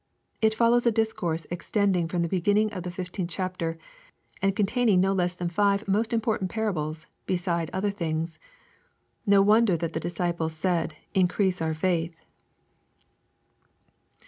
It follows a discourse extending from the beginning of the fifteenth chapter, and containing no less than five most important parables, beside other things. No wonder that the disciples said, " Increase our faith."